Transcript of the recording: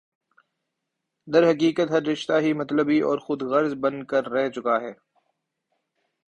درحقیقت ہر رشتہ ہی مطلبی اور خودغرض بن کر رہ چکا ہے